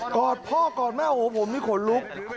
อดพ่อกอดแม่โอ้โหผมนี่ขนลุก